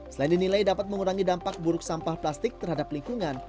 selain dinilai dapat mengurangi dampak buruk sampah plastik terhadap lingkungan